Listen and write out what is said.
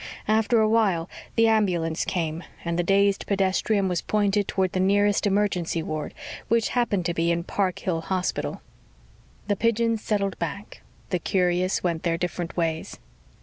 After a while, the ambulance came and the dazed pedestrian was pointed toward the nearest emergency ward, which happened to be in the Park Hill Hospital. The pigeons settled back. The curious went their different ways.